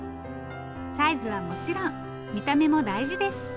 サイズはもちろん見た目も大事です。